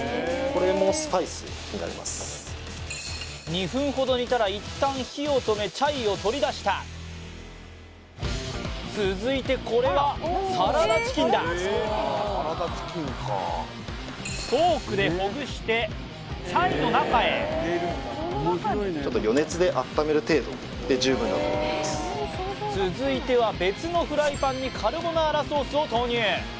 ２分ほど煮たら一旦火を止めチャイを取り出した続いてこれはサラダチキンだフォークでほぐしてチャイの中へ続いては別のフライパンにカルボナーラソースを投入